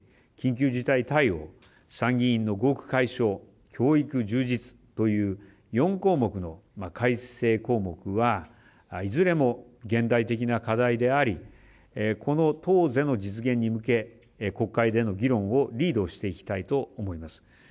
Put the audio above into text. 自由民主党が掲げる自衛隊の明記緊急事態対応参議院の合区解消教育充実という４項目の改正項目はいずれも現代的な課題でありこの党是の実現に向け国会での議論をリードしていきたいと思います。